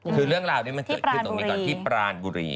พี่ปรานบุรี